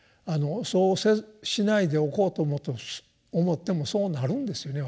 そうしないでおこうと思ってもそうなるんですよね